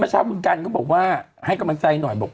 มันชอบเหมือนกันก็บอกว่าให้กำลังใจหน่อย